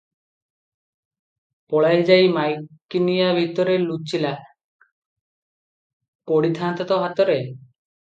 ପଳାଇଯାଇ ମାଈକିନିଆ ଭିତରେ ଲୁଚିଲା, ପଡ଼ିଥାଆନ୍ତା ତ ହାତରେ!